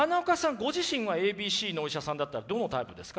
ご自身はＡＢＣのお医者さんだったらどのタイプですか？